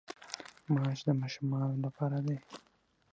ماش د ماشومانو لپاره دي.